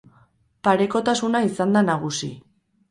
Parekotasuna izan da nagusi.